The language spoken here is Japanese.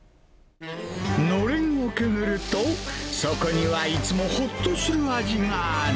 のれんをくぐると、そこには、いつもほっとする味がある。